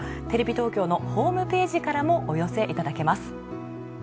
テレビ東京のホームページからもお寄せいただけます。